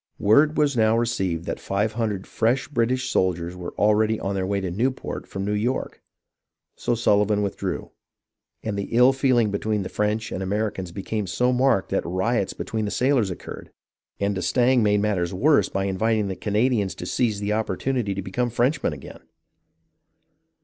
Word was now received that five hundred fresh British soldiers were already on their way to Newport from New York, so Sullivan withdrew, and the ill feeling between the French and Americans became so marked that riots between the sailors occurred ; and d'Estaing made matters worse by inviting the Canadians to seize the opportunity to become Frenchmen again